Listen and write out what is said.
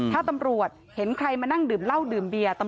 ถ้าตำรวจเห็นใครมานั่งดื่มเหล้าดื่มเบียร์